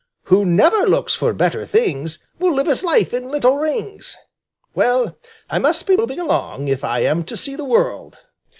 Who never looks for better things Will live his life in little rings. Well, I must be moving along, if I am to see the world."